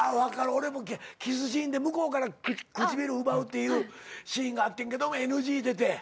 俺もキスシーンで向こうから唇奪うっていうシーンがあってんけどＮＧ出て。